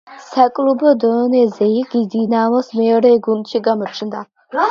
საკლუბო დონეზე იგი „დინამოს“ მეორე გუნდში გამოჩნდა.